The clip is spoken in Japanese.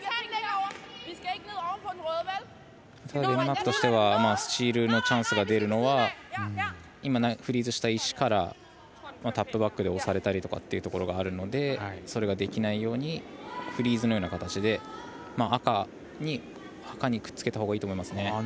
デンマークとしてはスチールのチャンスが出るのは今、フリーズした石からタップバックで押されたりとかっていうところがあるのでそれができないようにフリーズのような形で赤にくっつけたほうがいいと思いますね。